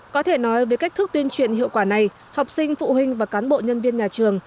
có thể nói về cách thức tuyên truyền hiệu quả này học sinh phụ huynh và cán bộ nhân viên nhà trường